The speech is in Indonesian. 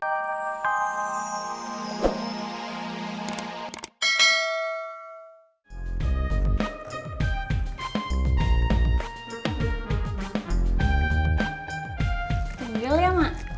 tinggal ya mak